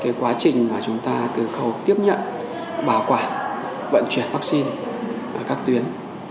toàn bộ quá trình chúng ta từng khấu kiểm nhận bảo quản vận chuyển vaccine ở các tuyến